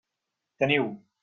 Teniu.